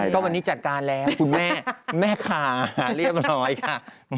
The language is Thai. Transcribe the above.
ก็วันนี้จัดการแล้วคุณแม่แม่ค้าเรียบร้อยค่ะ